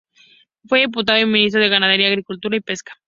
Fue diputado y ministro de Ganadería, Agricultura y Pesca.